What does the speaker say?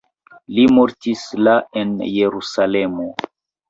Li mortis la en Jerusalemo.